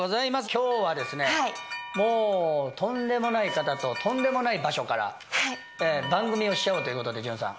今日はですねもうとんでもない方ととんでもない場所から番組をしちゃおうということで潤さん。